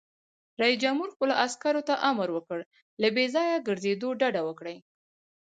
رئیس جمهور خپلو عسکرو ته امر وکړ؛ له بې ځایه ګرځېدو ډډه وکړئ!